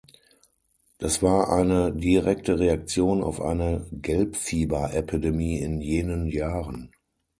Das war eine direkte Reaktion auf eine Gelbfieberepidemie in jenen Jahren.